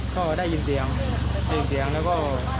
ก็ได้ยินเสียงแล้วก็